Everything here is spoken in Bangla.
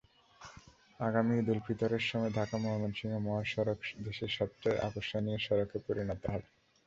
আগামী ঈদুল ফিতরের সময় ঢাকা-ময়মনসিংহ মহাসড়ক দেশের সবচেয়ে আকর্ষণীয় সড়কে পরিণত হবে।